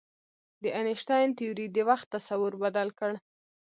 د انیشتین تیوري د وخت تصور بدل کړ.